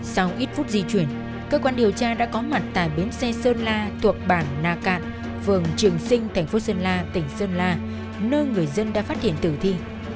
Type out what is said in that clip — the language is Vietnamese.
sau ít phút di chuyển cơ quan điều tra đã có mặt tại bến xe sơn la thuộc bản na cạn phường trường sinh thành phố sơn la tỉnh sơn la nơi người dân đã phát hiện tử thi